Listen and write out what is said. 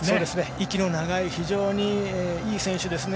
息の長い非常にいい選手ですね。